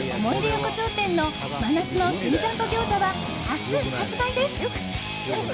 横丁店の真夏のシン・ジャンボ餃子は明日、発売です。